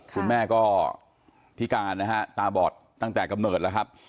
คุณแม่ก็พิการนะฮะตาบอดตั้งแต่กำเนิดแล้วครับ